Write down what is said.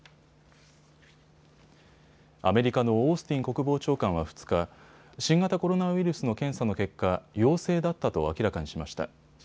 アメリカのオースティン国防長官は２日、新型コロナウイルスの検査の結果、陽性だったと明らかにしました。